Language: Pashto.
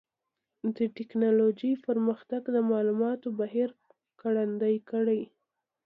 د ټکنالوجۍ پرمختګ د معلوماتو بهیر ګړندی کړی دی.